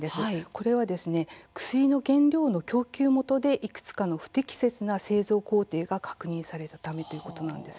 これは薬の原料の供給元でいくつかの不適切な製造工程が確認されたためです。